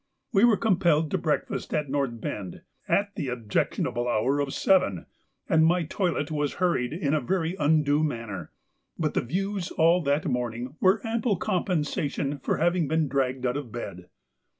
We were compelled to breakfast at North Bend, at the objectionable hour of seven, and my toilet was hurried in a very undue manner; but the views all that morning were ample compensation for having been dragged out of bed.